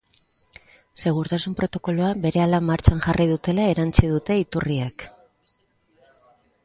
Segurtasun protokoloa berehala martxan jarri dutela erantsi dute iturriek.